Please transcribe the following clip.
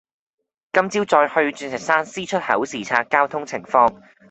今朝再去鑽石山 C 出口視察交通情況